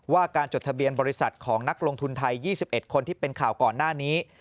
ว่าการจดทะเบียนบริษัทของนักลงทุนไทย๒๑คนที่เป็นข่าวก่อนหน้านี้